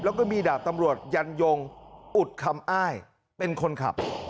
แล้วก็มีดาบตำรวจยันยงอุดคำอ้ายเป็นคนขับ